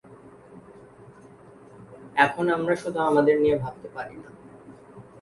এখন আমরা শুধু আমাদের নিয়ে ভাবতে পারি না।